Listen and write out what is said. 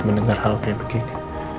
mendengar hal kayak begini